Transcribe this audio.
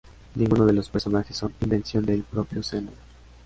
Ninguno de los personajes son invención del propio Zeno.